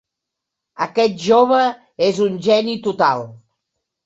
Aquest jove és un geni total.